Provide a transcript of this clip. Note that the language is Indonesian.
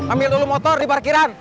ambil dulu motor di parkiran